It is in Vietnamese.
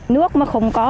nước mà không có